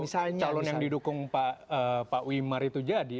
bisa jadi juga kalau calon yang didukung pak wimar itu jadi